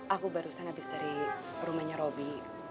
aku barusan abis dari rumahnya robi